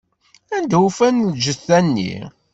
Anda ufan lǧetta-nni?